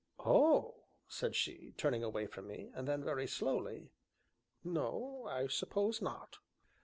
"Oh!" said she, turning away from me; and then, very slowly: "No, I suppose not."